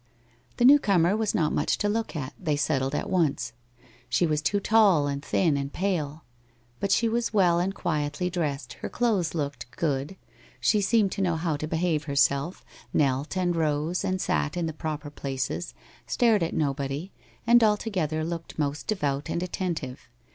The newcomer was not much to look at, they settled at once; she was too tall, and thin, and pale. But she was well and quietly dressed, her clothes looked ' good,' she seemed to know how to behave herself, knelt and rose and sat in the proper places, stared at nobody, and alto gether looked most devout and attentive.